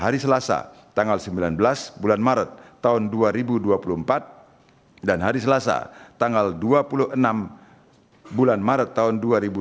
hari selasa tanggal sembilan belas bulan maret tahun dua ribu dua puluh empat dan hari selasa tanggal dua puluh enam bulan maret tahun dua ribu dua puluh